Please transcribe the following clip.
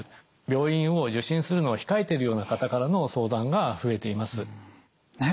病院を受診するのを控えているような方からの相談が増えています。